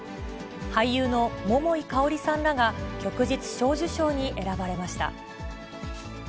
俳優の桃井かおりさんらが旭日小綬章に選ばれました。